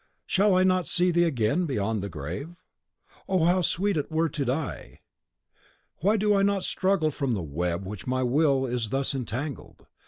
Shall I not see thee again beyond the grave? O how sweet it were to die! "Why do I not struggle from the web in which my will is thus entangled?